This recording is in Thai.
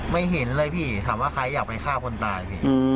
ไม่เห็นเลยพี่ถามว่าใครอยากไปฆ่าคนตายพี่